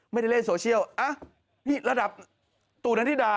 ไม่ได้เล่นโซเชียลนี่ระดับตู่นาธิดา